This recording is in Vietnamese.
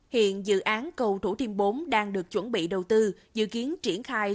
hiện dự án cầu thủ thiêm bốn đang được chuẩn bị đầu tư dự kiến triển khai